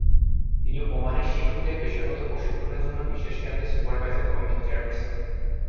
তিনি ওমানের শিক্ষকদের পেশাগত প্রশিক্ষণের জন্য বিশেষ কেন্দ্রের সুপারভাইজার কমিটির চেয়ারপার্সন।